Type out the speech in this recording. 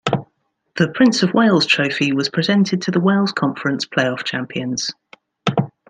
The Prince of Wales Trophy was presented to the Wales Conference playoff champions.